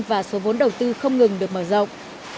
và số vốn đầu tư không ngừng được mở rộng